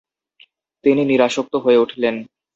তিনি নিরাসক্ত হয়ে উঠলেন।